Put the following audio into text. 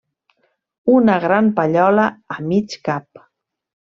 Una gran pallola a mig cap